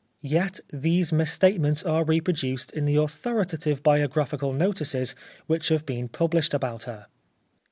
Yet these misstatements are reproduced in the authoritative biographical notices which have been published about her.